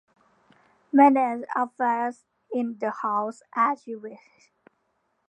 Manage affairs in the House as you wish.